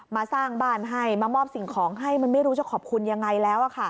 มาสร้างบ้านให้มามอบสิ่งของให้มันไม่รู้จะขอบคุณยังไงแล้ว